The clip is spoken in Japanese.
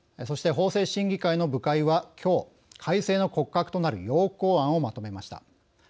そして、法制審議会の部会はきょう、改正の骨格となる要綱案をまとめました。